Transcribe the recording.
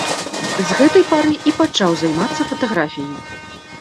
З гэтай пары і пачаў займацца фатаграфіяй.